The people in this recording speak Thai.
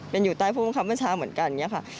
เป็นอยู่ใต้ผู้บังคับบัญชาเหมือนกันอย่างนี้ค่ะ